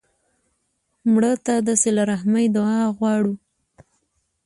مړه ته د صله رحمي دعا غواړو